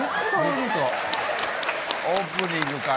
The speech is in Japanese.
オープニングから。